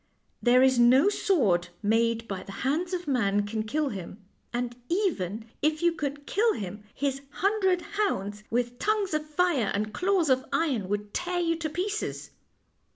" There is no sword made by the hands of man can kill him, and even if you could kill him, his hundred hounds, with tongues of fire and claws of iron, would tear you to pieces."